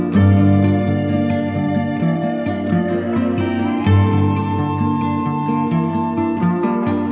pak mir istri bapak